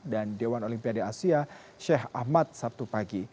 dan dewan olimpiade asia sheikh ahmad sabtu pagi